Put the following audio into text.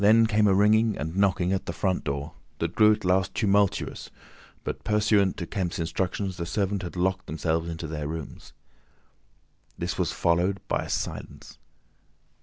Then came a ringing and knocking at the front door, that grew at last tumultuous, but pursuant to Kemp's instructions the servants had locked themselves into their rooms. This was followed by a silence.